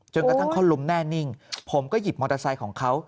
กระทั่งเขาล้มแน่นิ่งผมก็หยิบมอเตอร์ไซค์ของเขา